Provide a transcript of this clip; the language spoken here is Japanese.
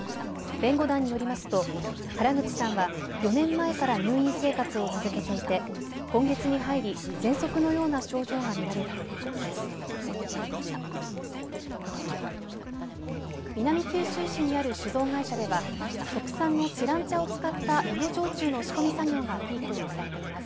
弁護団によりますと原口さんは４年前から入院生活を続けていて今月に入り、ぜんそくのような症状がみられたということです。